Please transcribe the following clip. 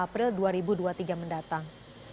dua puluh tiga april dua ribu dua puluh tiga mendatang